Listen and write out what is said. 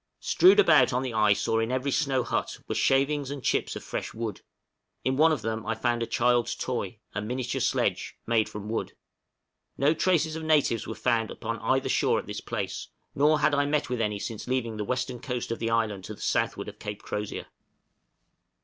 Strewed about on the ice or in every snow hut were shavings and chips of fresh wood; in one of them I found a child's toy a miniature sledge made of wood. No traces of natives were found upon either shore at this place, nor had I met with any since leaving the western coast of the island to the southward of Cape Crozier.